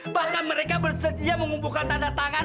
bahkan mereka bersedia mengumpulkan tanda tangan